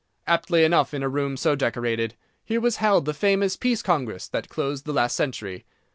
Aptly enough in a room so decorated, here was held the famous Peace Congress that closed the last century.